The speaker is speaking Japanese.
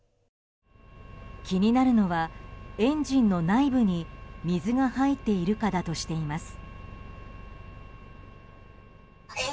気になるのはエンジンの内部に水が入っているかだとしています。